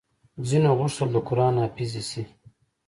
ځينو غوښتل د قران حافظې شي